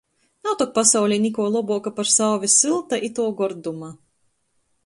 Nav tok pasaulī nikuo lobuoka par sauvi sylta ituo gorduma!